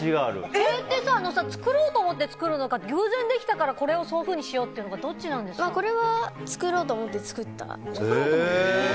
それって作ろうと思って作るのか偶然できたからこれをそういうふうにするのかこれは作ろうと思って作りました。